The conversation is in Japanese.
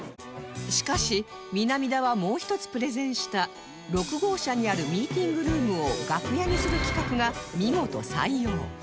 しかし南田はもう１つプレゼンした６号車にあるミーティングルームを楽屋にする企画が見事採用